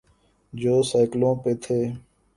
جو سائیکلوں پہ تھے۔